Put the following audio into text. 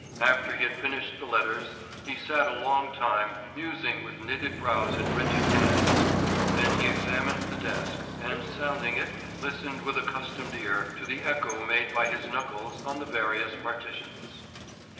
After he had finished the letters, he sat a long time musing with knitted brows and rigid hands, then he examined the desk, and sounding it, listened with accustomed ear to the echo made by his knuckles on the various partitions.